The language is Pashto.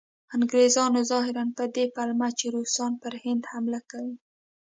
انګریزانو ظاهراً په دې پلمه چې روسان پر هند حمله کوي.